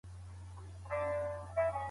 رانجه د هويت احساس پياوړی کوي.